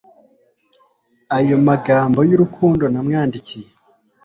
aya magambo yurukundo namwandikiye